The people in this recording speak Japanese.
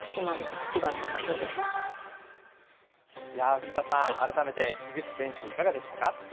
古田さん、改めて樋口選手、いかがでしたか？